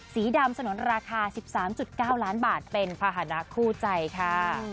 สีดำสนุนราคา๑๓๙ล้านบาทเป็นภาษณะคู่ใจค่ะ